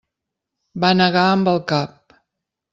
Va negar amb el cap.